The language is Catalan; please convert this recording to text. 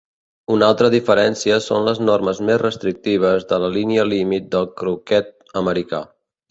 Una altra diferència són les normes més restrictives de la línia límit del croquet americà.